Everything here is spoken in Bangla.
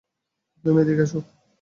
তুমি, এদিকে আসো।